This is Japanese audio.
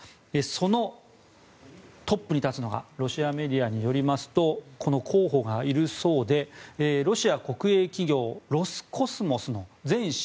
そのトップに立つのがロシアメディアによりますとこの候補がいるそうでロシア国営企業ロスコスモスの前ＣＥＯ